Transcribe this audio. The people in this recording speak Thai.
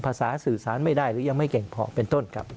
สื่อสารไม่ได้หรือยังไม่เก่งพอเป็นต้นครับ